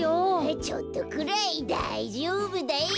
ちょっとくらいだいじょうぶだよ。